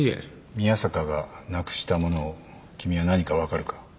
宮坂がなくしたものを君は何か分かるか？